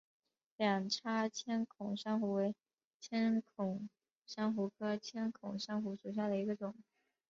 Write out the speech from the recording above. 两叉千孔珊瑚为千孔珊瑚科千孔珊瑚属下的一个种。